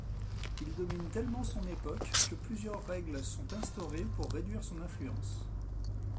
Il domine tellement son époque que plusieurs règles sont instaurées pour réduire son influence.